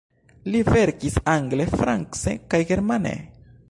Li verkis angle, france kaj germane.